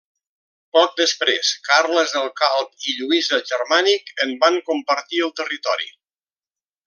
Poc després, Carles el Calb i Lluís el Germànic en van compartir el territori.